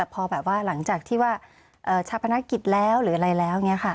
พอแบบว่าหลังจากที่ว่าชะพนักกิจแล้วหรืออะไรแล้วอย่างนี้ค่ะ